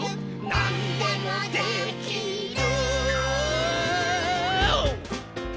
「なんでもできる！！！」